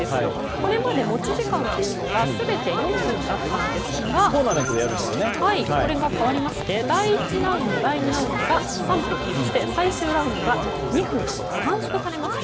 これまで持ち時間というのが全て４分だったのが変わりまして第１ラウンド第２ラウンドが３分そして最終ラウンドが２分と短縮されました。